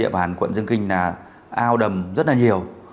điện hành quận dương kinh là ao đầm rất là nhiều